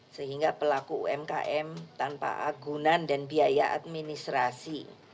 sehingga pelaku umkm tanpa agunan dan biaya administrasi